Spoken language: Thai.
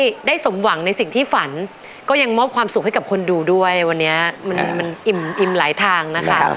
ได้สมหวังในสิ่งที่ฝันก็ยังมอบความสุขให้กับคนดูด้วยวันนี้มันอิ่มอิ่มหลายทางนะคะ